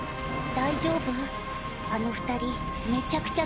大丈夫。